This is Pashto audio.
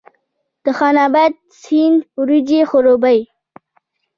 د خان اباد سیند وریجې خړوبوي